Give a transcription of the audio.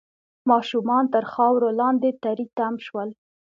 ماشومان تر خاورو لاندې تري تم شول